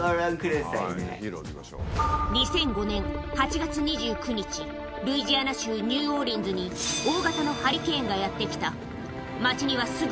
ー２００５年、８月２９日、ルイジアナ州ニューオーリンズに、大型のハリケーンがやって来た。